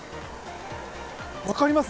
分かります？